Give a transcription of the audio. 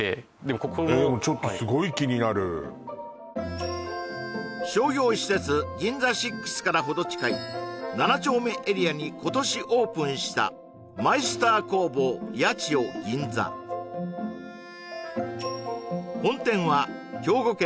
ここのちょっとすごい気になる商業施設ＧＩＮＺＡＳＩＸからほど近い７丁目エリアに今年オープンした本店は兵庫県